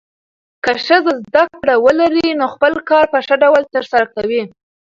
که ښځه زده کړه ولري، نو خپل کار په ښه ډول ترسره کوي.